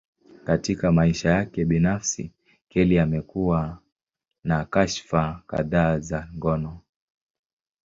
Katika maisha yake binafsi, Kelly amekuwa na kashfa kadhaa za ngono.